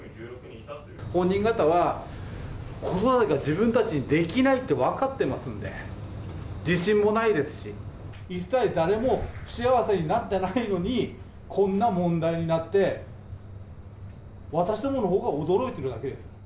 本人方は、子育てが自分たちにできないって分かってますんで、自信もないですし、一切誰も不幸せになってないのに、こんな問題になって、私どものほうが驚いているだけです。